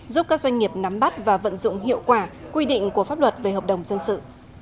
giúp các doanh nghiệp nắm bắt và vận dụng hiệu quả quy định của pháp luật về hợp đồng dân sự